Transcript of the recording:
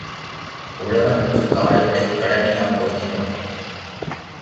உழவனுக்குக் காடுகளைக் கழனியாக்குவதே நோக்கம்.